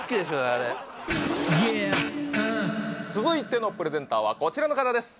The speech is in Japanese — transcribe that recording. あれ続いてのプレゼンターはこちらの方です